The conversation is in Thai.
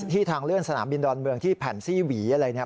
ทางเลื่อนสนามบินดอนเมืองที่แผ่นซี่หวีอะไรเนี่ย